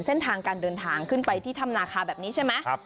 เส้นทางการเดินทางขึ้นไปที่ถ้ำนาคาแบบนี้ใช่ไหม